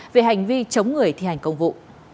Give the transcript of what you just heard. về hành vi chống người thi hành công vụ